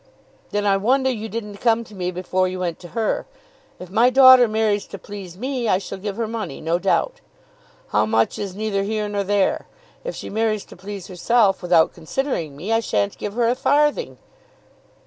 "Then I wonder you didn't come to me before you went to her. If my daughter marries to please me, I shall give her money, no doubt. How much is neither here nor there. If she marries to please herself, without considering me, I shan't give her a farthing."